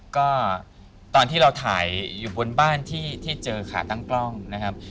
ก็ตอนที่เราถ่ายอยู่บนบ้านที่เจอขาตั้งกล้องนะครับ